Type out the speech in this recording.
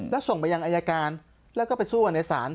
แล้วส่งไปยังอายการแล้วก็ไปสู้กันในศาล